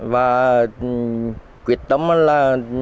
và quyết tâm là